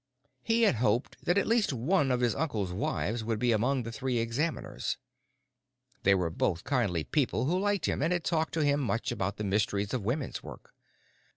He had hoped that at least one of his uncle's wives would be among the three examiners: they were both kindly people who liked him and had talked to him much about the mysteries of women's work.